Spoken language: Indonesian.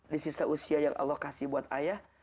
di sisa usia yang allah kasih buat ayah